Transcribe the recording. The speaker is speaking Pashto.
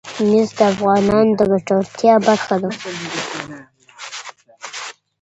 مس د افغانانو د ګټورتیا برخه ده.